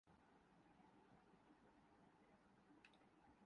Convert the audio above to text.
تو عوامی سطح پر کسی لمحے اضطراب پیدا ہو سکتا ہے۔